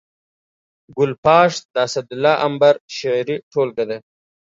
ګل پاش د اسدالله امبر شعري ټولګه ده